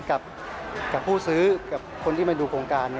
กับผู้ซื้อกับคนที่มาดูโครงการ